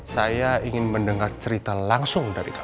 saya ingin mendengar cerita langsung dari kpk